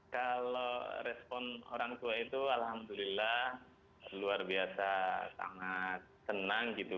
kalau respon orang tua itu alhamdulillah luar biasa sangat senang gitu